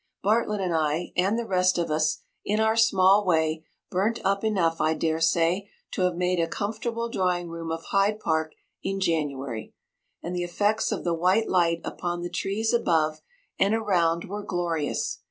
"Bartlett and I, and the rest of us, in our small way, burnt up enough, I dare say, to have made a comfortable drawing room of Hyde Park in January, and the effects of the white light upon the trees above and around were glorious.